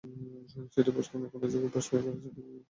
সেটি পাস করলে কলেজে প্রবেশ করা যেত, তাই নাম হয়েছিল প্রবেশিকা।